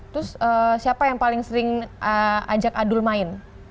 terus siapa yang paling sering ajak adul main